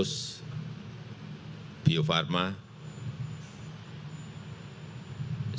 dan saya berharap ini akan menjadi sebuah kesempatan yang berharga